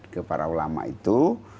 ke para ulama itu